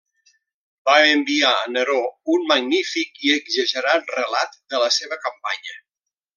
Va enviar a Neró un magnífic i exagerat relat de la seva campanya.